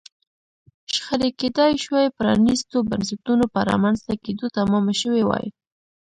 شخړې کېدای شوای پرانیستو بنسټونو په رامنځته کېدو تمامه شوې وای.